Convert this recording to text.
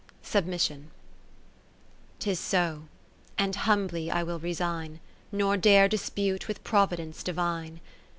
Submission 'Tis so, and humbly I will resign, Nor dare dispute with Providence Divine.